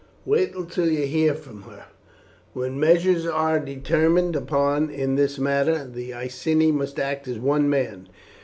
Wait until you hear from her. When measures are determined upon in this matter the Iceni must act as one man.